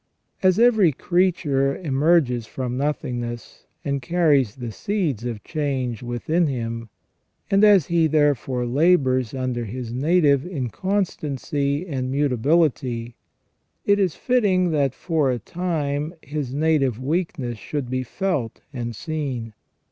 As every creature emerges from nothingness, and carries the seeds of change within him, and as he therefore labours under his native inconstancy and mutability, it is fitting that for a time his native weakness should be felt and seen.